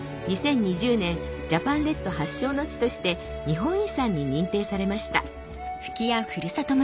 ２０２０年ジャパンレッド発祥の地として日本遺産に認定されました